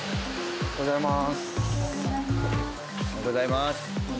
おはようございます。